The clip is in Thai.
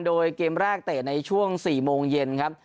โดยเกมแรกเตะในช่วง๔โมงเย็นครับ